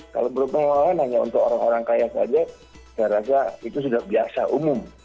kalau berupa pengelolaan hanya untuk orang orang kaya saja saya rasa itu sudah biasa umum